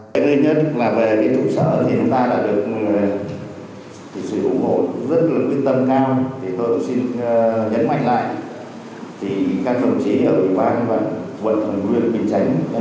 thứ nhất là về cái trụ sở thì chúng ta đã được sự ủng hộ rất là quyết tâm cao